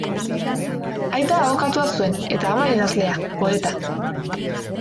Aita abokatua zuen eta ama idazlea, poeta.